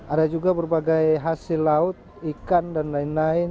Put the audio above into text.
ada juga berbagai hasil laut ikan dan lain lain